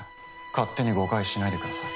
勝手に誤解しないでください。